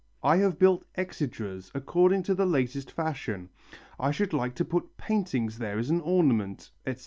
I have built exedras according to the latest fashion. I should like to put paintings there as an ornament," etc.